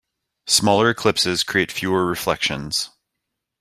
Smaller ellipses create fewer reflections.